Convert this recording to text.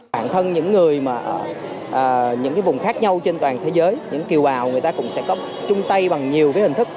bản thân những người mà ở những vùng khác nhau trên toàn thế giới những kiều bào người ta cũng sẽ có chung tay bằng nhiều hình thức